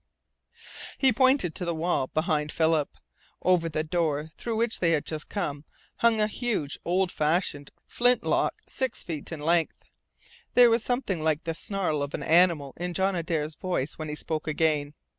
He pointed to the wall behind Philip. Over the door through which they had just come hung a huge, old fashioned flint lock six feet in length. There was something like the snarl of an animal in John Adare's voice when he spoke again.